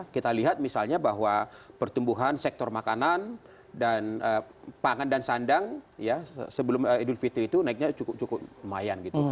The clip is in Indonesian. kita lihat misalnya bahwa pertumbuhan sektor makanan dan pangan dan sandang ya sebelum idul fitri itu naiknya cukup cukup lumayan gitu